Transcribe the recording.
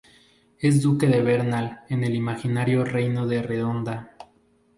Es Duque de Bernal en el imaginario Reino de Redonda.